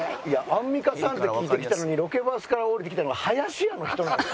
アンミカさんって聞いてきたのにロケバスから降りてきたのが。